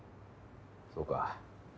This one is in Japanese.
そうか。